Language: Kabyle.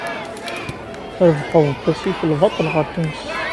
Trebḥed-d assikel baṭel ɣer Tunes.